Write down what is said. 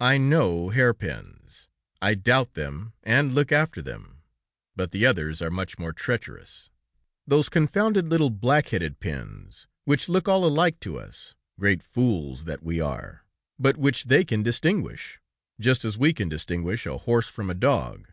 I know hairpins, I doubt them, and look after them, but the others are much more treacherous; those confounded little black headed pins which look all alike to us, great fools that we are, but which they can distinguish, just as we can distinguish a horse from a dog.